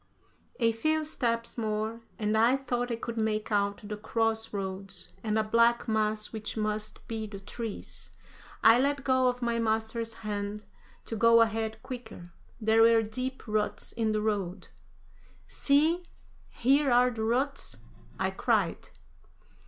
A few steps more and I thought I could make out the cross roads and a black mass which must be the trees. I let go of my master's hand to go ahead quicker. There were deep ruts in the road. "See, here are the ruts?" I cried.